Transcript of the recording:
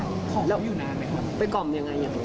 แล้วไปกล่อมอย่างไรอย่างนี้